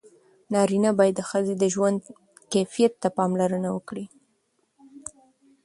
نارینه باید د ښځې د ژوند کیفیت ته پاملرنه وکړي.